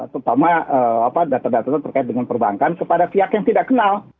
terutama data data terkait dengan perbankan kepada pihak yang tidak kenal